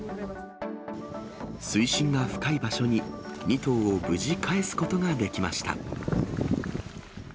水深が深い場所に２頭を無事、かえすことができました。